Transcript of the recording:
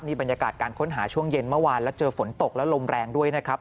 บรรยากาศการค้นหาช่วงเย็นเมื่อวานแล้วเจอฝนตกและลมแรงด้วยนะครับ